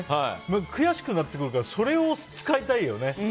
悔しくなってくるからそれを使いたいよね。